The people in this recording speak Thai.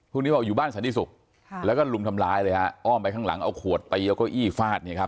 พวกนี้บอกอยู่บ้านสันติศุกร์แล้วก็ลุมทำร้ายเลยฮะอ้อมไปข้างหลังเอาขวดตีเอาเก้าอี้ฟาดเนี่ยครับ